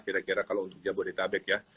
kira kira kalau untuk jabodetabek ya